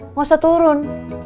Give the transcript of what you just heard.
nggak usah turun